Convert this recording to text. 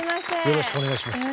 よろしくお願いします。